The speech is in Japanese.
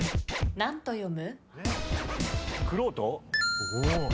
何と読む？